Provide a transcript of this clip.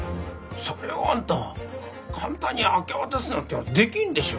それをあんた簡単に明け渡すなんてできんでしょう。